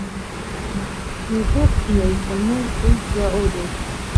د اوبو کیمیاوي فارمول ایچ دوه او دی.